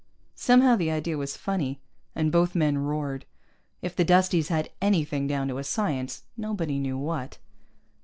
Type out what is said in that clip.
Somehow the idea was funny, and both men roared. If the Dusties had anything down to a science, nobody knew what.